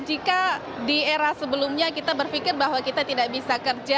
jika di era sebelumnya kita berpikir bahwa kita tidak bisa kerja